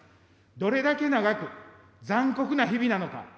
どれだけ長く、残酷な日々なのか。